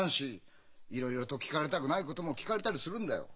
いろいろと聞かれたくないことも聞かれたりするんだよ。